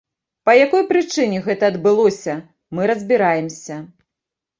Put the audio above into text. Па якой прычыне гэта адбылося, мы разбіраемся.